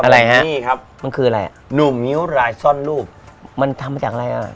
อะไรฮะนี่ครับมันคืออะไรอ่ะหนุ่มงิ้วรายซ่อนรูปมันทำมาจากอะไรอ่ะ